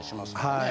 はい。